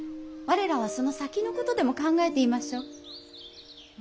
我らはその先のことでも考えていましょう。